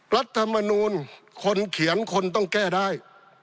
รัฐมนูลคนเขียนคนต้องแก้ได้